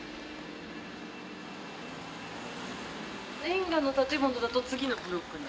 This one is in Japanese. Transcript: レンガの建物だと次のブロックに。